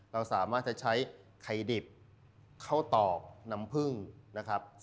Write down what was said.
เราสามารถจะใช้ไข่ดิบเข้าตอกน้ำผึ้งนะครับ